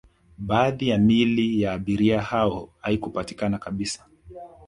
baadhi ya miili ya abiria hao haikupatikana kabisa